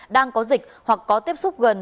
đang có dịch hoặc có tiếp xúc gần